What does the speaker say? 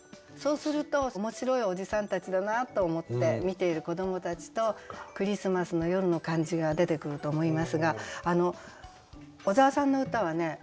そうすると面白いおじさんたちだなと思って見ている子どもたちとクリスマスの夜の感じが出てくると思いますが小沢さんの歌はね